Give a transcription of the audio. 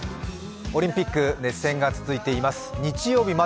オリンピック熱戦が続いています。